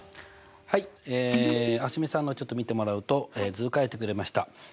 はいえ蒼澄さんのをちょっと見てもらうと図書いてくれました。